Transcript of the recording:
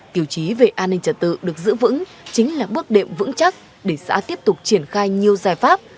tiểu chí về an ninh trật tự được giữ vững chính là bước đệm vững chắc để xã tiếp tục triển khai nhiều giải pháp